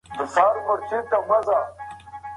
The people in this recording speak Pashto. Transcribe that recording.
ټولو خلکو په شونډو کې مسکا خپره شوه.